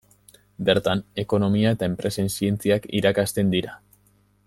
Bertan, Ekonomia eta enpresen zientziak irakasten dira.